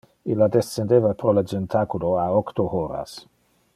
Illa descendeva pro le jentaculo a octo horas.